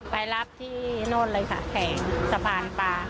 ไปรับที่โน่นเลยค่ะแผงสะพานปลา